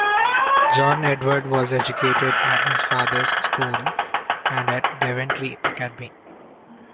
John Edward was educated at his father's school and at Daventry Academy.